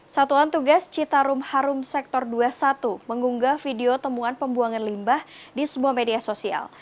satuan tugas citarum harum sektor dua puluh satu mengunggah video temuan pembuangan limbah di sebuah media sosial